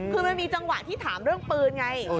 คือมันมีจังหวะที่ถามเรื่องปืนไง